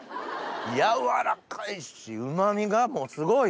柔らかいしうま味がもうすごい！